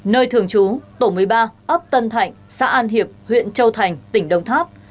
nơi thường trú tổ một mươi ba ấp tân thạnh xã an hiệp huyện châu thành tỉnh đồng tháp